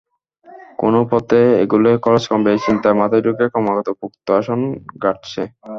কোন পথে এগোলে খরচ কমবে—এ চিন্তা মাথায় ঢুকে ক্রমাগত পোক্ত আসন গাড়ছে।